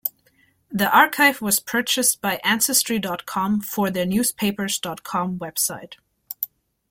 The archive was purchased by Ancestry dot com for their newspapers dot com website.